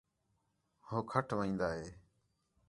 ہو کَھٹ وین٘دا ہِے